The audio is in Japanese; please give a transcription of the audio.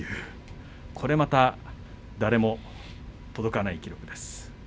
これまた誰も届かない記録です。